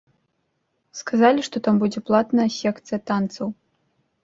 Сказалі, што там будзе платная секцыя танцаў.